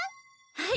はい！